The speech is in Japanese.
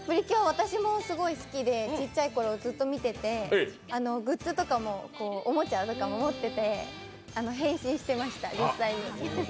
私もすごい好きで、ちっちゃいころずっと見ててグッズとかも、おもちゃとかも持ってて、変身してました、実際に。